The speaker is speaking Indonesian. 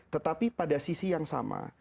tetapi pada sisi yang sama